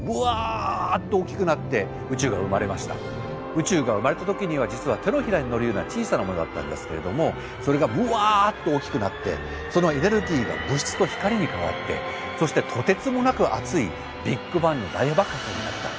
宇宙が生まれた時には実は手のひらにのるような小さなものだったんですけれどもそれがぶわっと大きくなってそのエネルギーが物質と光に変わってそしてとてつもなく熱いビッグバンの大爆発になった。